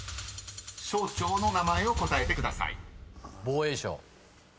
［省庁の名前を答えてください］